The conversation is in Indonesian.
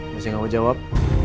masih gak mau jawab